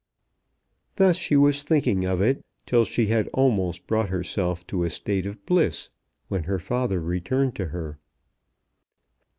Thus she was thinking of it till she had almost brought herself to a state of bliss, when her father returned to her.